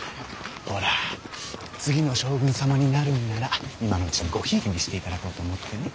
ほら次の将軍様になるんなら今のうちにご贔屓にしていただこうと思ってね